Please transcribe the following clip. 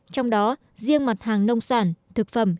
trong đó riêng mặt hàng nông sản thực phẩm